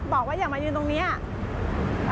บอกว่าอย่ามายืนตรงนี้